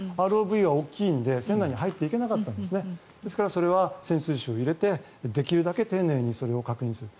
ＲＯＶは大きいので船内に入っていけなかったのでそれは潜水士を入れてできるだけ丁寧にそれを確認すると。